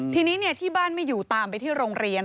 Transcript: ทีนี้ที่บ้านไม่อยู่ตามไปที่โรงเรียน